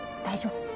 大丈夫？